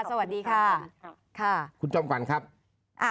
ค่ะสวัสดีค่ะค่ะคุณจ้อมกวัลครับอ่า